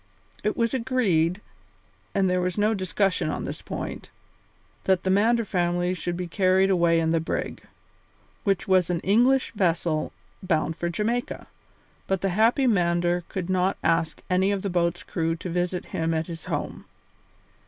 It was agreed, and there was no discussion on this point, that the Mander family should be carried away in the brig, which was an English vessel bound for Jamaica, but the happy Mander would not ask any of the boat's crew to visit him at his home.